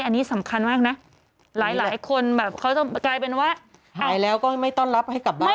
อันนี้สำคัญมากนะหายแล้วก็ไม่ต้อนรับให้กลับบ้าน